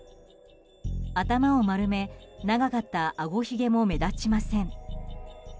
頭を丸め、長かったあごひげも目立ちません。